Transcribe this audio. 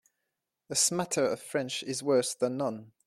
A smatter of French is worse than none.